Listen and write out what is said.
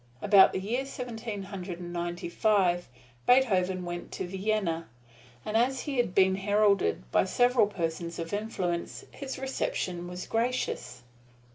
About the year Seventeen Hundred Ninety five, Beethoven went to Vienna, and as he had been heralded by several persons of influence, his reception was gracious.